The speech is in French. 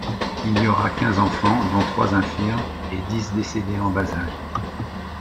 Il aura quinze enfants, dont trois infirmes et dix décédés en bas âge.